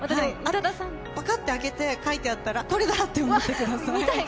パカって開けて書いてあったらそれだと思ってください。